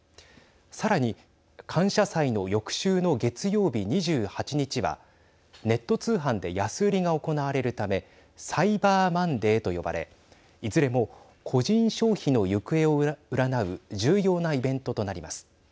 さらに、感謝祭の翌週の月曜日２８日はネット通販で安売りが行われるためサイバーマンデーと呼ばれいずれも個人消費の行方を占う重要なイベントとなります。